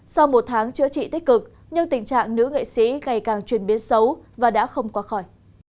sau một tháng chữa trị tích cực nhưng tình trạng nữ nghệ sĩ ngày càng chuyển biến xấu và đã không qua khỏi